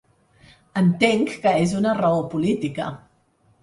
Entenc que és una raó política.